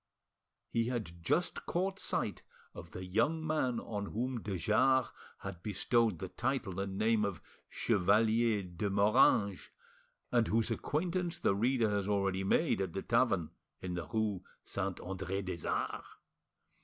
He had just caught sight of the young man on whom de Jars had bestowed the title and name of Chevalier de Moranges, and whose acquaintance the reader has already made at the tavern in the rue Saint Andre des Arts.